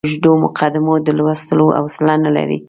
اوږدو مقدمو د لوستلو حوصله نه لري.